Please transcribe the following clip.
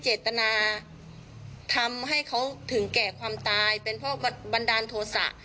เจตนาทำให้เขาถึงแก่ความตายเป็นเพราะบันดาลโทษะ